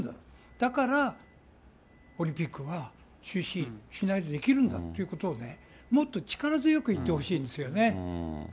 だからオリンピックは中止しないでできるんだということをね、もっと力強く言ってほしいですよね。